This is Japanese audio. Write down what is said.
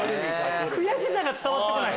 悔しさが伝わって来ない。